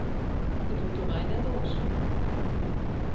It hoecht om my net oars.